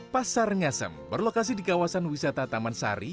pasar ngasem berlokasi di kawasan wisata taman sari